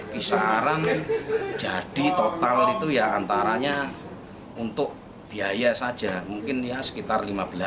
kisaran jadi total itu ya antaranya untuk biaya saja mungkin ya sekitar lima belas